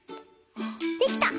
できた！